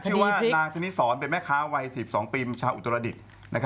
ชื่อว่านางธนิสรเป็นแม่ค้าวัย๑๒ปีชาวอุตรดิษฐ์